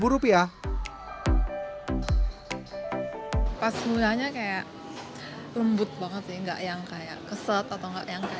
tujuh puluh tujuh rupiah pas mulianya kayak lembut banget nggak yang kayak keset atau nggak yang kayak